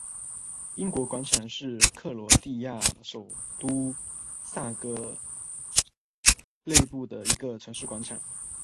英国广场是克罗地亚首都萨格勒布的一个城市广场。